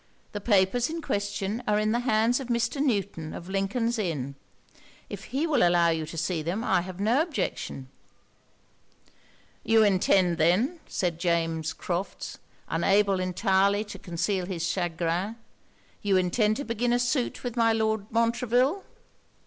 The papers in question are in the hands of Mr. Newton of Lincolns Inn. If he will allow you to see them I have no objection.' 'You intend then,' said James Crofts, unable entirely to conceal his chagrin 'you intend to begin a suit with my Lord Montreville?'